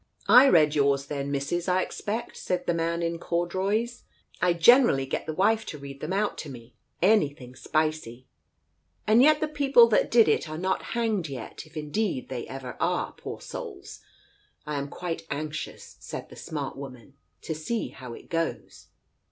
"I read yours then, Missus, I expect," said the man in corduroys. " I generally get the wife to read them out to * me — anything spicy." "And yet the people that did it are not hanged yet, if, indeed, they ever are, poor souls ! I am quite anxious," said the smart woman, "to see how it goes.